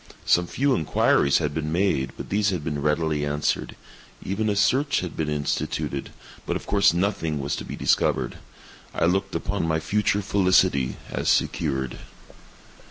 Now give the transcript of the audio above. Some few inquiries had been made, but these had been readily answered. Even a search had been instituted—but of course nothing was to be discovered. I looked upon my future felicity as secured.